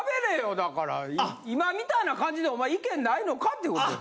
だから今みたいな感じでお前意見ないのかってことよ。